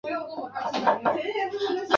波多贝罗路市集吸引了许多游客。